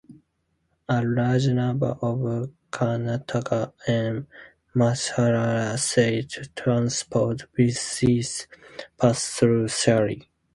A large number of Karnataka and Maharashtra State Transport buses pass through Shirali.